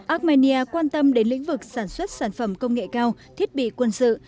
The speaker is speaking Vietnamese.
armenia quan tâm đến lĩnh vực sản xuất sản phẩm công nghệ cao thiết bị quân sự